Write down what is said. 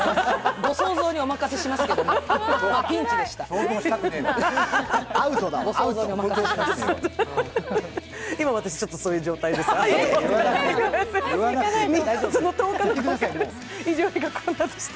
ご想像にお任せしますけど、ピンチでした。